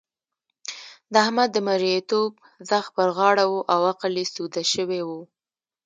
د احمد د مرېيتوب ځغ پر غاړه وو او عقل يې سوده شوی وو.